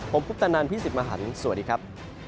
ผมทุกตะนานพี่สิบมหันภ์สวัสดีครับ